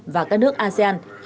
và các nước asean